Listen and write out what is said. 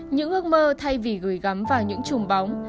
những ước mơ thay vì gửi gắm vào những chùm bóng